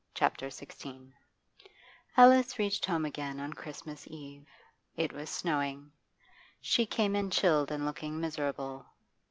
CHAPTER XVI Alice reached home again on Christmas Eve. It was snowing; she came in chilled and looking miserable.